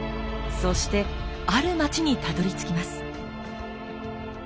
そしてある町にたどりつきます。